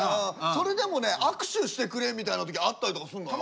それでもね握手してくれみたいな時あったりとかすんのよ。